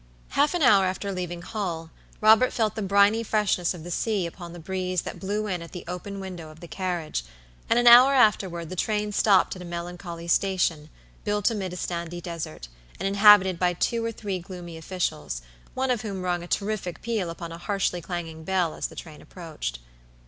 Half an hour after leaving Hull, Robert felt the briny freshness of the sea upon the breeze that blew in at the open window of the carriage, and an hour afterward the train stopped at a melancholy station, built amid a sandy desert, and inhabited by two or three gloomy officials, one of whom rung a terrific peal upon a harshly clanging bell as the train approached.